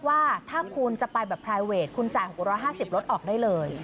ว่าถ้าคุณจะไปแบบไพรเวทคุณจ่าย๖๕๐ลดออกได้เลย